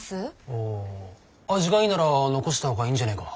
おお味がいいなら残した方がいいんじゃねえか。